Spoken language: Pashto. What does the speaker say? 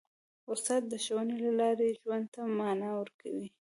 استاد د ښوونې له لارې ژوند ته مانا ورکوي.